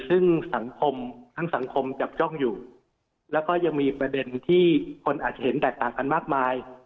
ุังสังคมจับจ้องอยู่และก็อย่ามีประเด็นที่คนอาจจะเห็นแตกต่างกันมากมาย